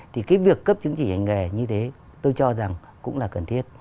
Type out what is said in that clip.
thì cái việc cấp chứng chỉ hành nghề như thế tôi cho rằng cũng là cần thiết